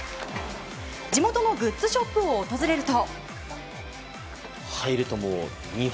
地元のグッズショップを訪れると。